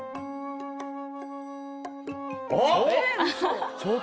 あっ！